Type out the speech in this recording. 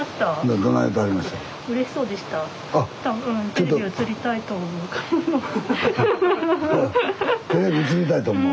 テレビ映りたいと思う？